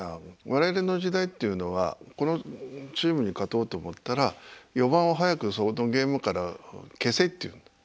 我々の時代っていうのはこのチームに勝とうと思ったら４番を早くそのゲームから消せっていうの。